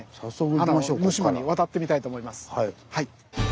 あの沼島に渡ってみたいと思います。